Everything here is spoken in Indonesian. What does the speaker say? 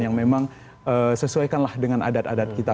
yang memang sesuaikanlah dengan adat adat kita